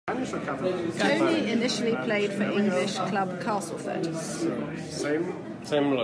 Tony initially played for English club Castleford.